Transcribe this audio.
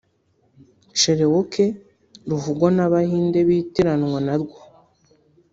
Cherokee ruvugwa n’Abahindi bitiranwa narwo